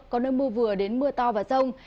có nơi mưa vừa đến mưa to và rông